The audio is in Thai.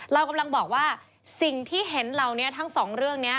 เรากำลังบอกว่าสิ่งที่เห็นเราทั้ง๒เรื่องนี้